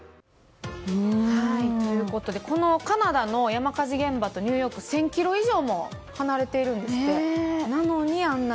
ということで、カナダの山火事現場とニューヨークは１０００ｋｍ以上離れているんですって。